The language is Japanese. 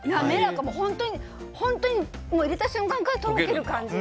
本当に入れた瞬間からとろける感じ。